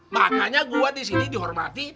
makanya gua disini dihormati